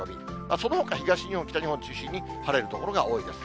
そのほか、東日本、北日本中心に晴れる所が多いです。